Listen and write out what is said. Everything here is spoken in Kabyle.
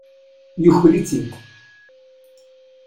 Yuker-itt-id.